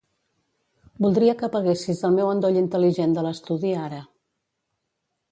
Voldria que apaguessis el meu endoll intel·ligent de l'estudi ara.